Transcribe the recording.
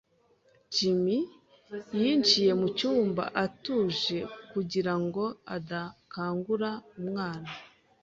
Jim yinjiye mucyumba atuje kugira ngo adakangura umwana.